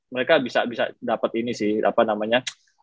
mereka bisa dapat ini sih apa namanya